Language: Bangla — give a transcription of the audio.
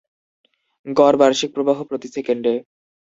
গড় বার্ষিক প্রবাহ প্রতি সেকেন্ডে।